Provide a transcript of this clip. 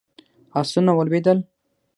آسونه ولوېدل.